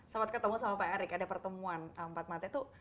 sempat ketemu sama pak erick ada pertemuan empat mata itu